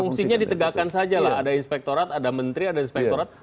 fungsinya ditegakkan saja lah ada inspektorat ada menteri ada inspektorat